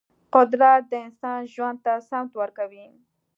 قدرت د انسان ژوند ته سمت ورکوي.